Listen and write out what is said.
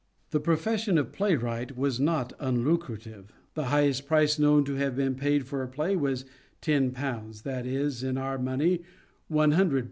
The profession of playwright was not unlucra tive. The highest price known to have been paid for a play was ^^lo — that is, in our money, ^loo.